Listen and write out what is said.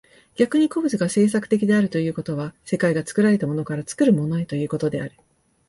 逆に個物が製作的であるということは、世界が作られたものから作るものへということである。